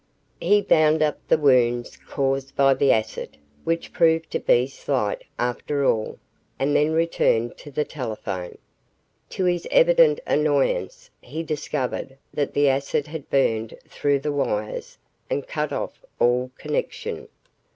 He bound up the wounds caused by the acid, which proved to be slight, after all, and then returned to the telephone. To his evident annoyance, he discovered that the acid had burned through the wires and cut off all connection.